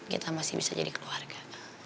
kita masih bisa jadi keluarga